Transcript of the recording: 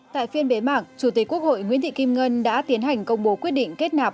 tại phiên bế mạc chủ tịch quốc hội nguyễn thị kim ngân đã tiến hành công bố quyết định kết nạp